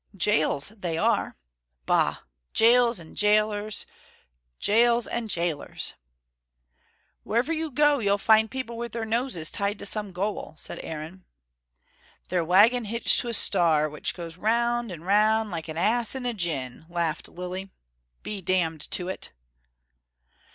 Gaols, they are. Bah jails and jailers, gaols and gaolers " "Wherever you go, you'll find people with their noses tied to some goal," said Aaron. "Their wagon hitched to a star which goes round and round like an ass in a gin," laughed Lilly. "Be damned to it."